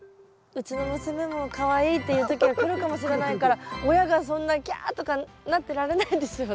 うちの娘も「かわいい」って言う時が来るかもしれないから親がそんな「きゃ！」とかなってられないですよ。